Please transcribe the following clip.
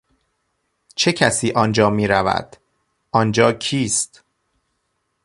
چه کسی آنجا میرود؟ آنجا کیست؟